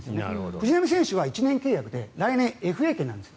藤浪投手は１年契約で来年、ＦＡ権なんです。